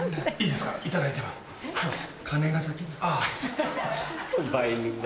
すいません。